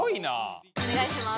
お願いします。